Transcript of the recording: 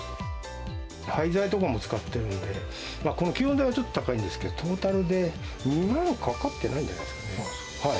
廃材とかも使ってるんで、この吸音材は高いんですけど、トータルで、２万かかってないんじゃないですかね。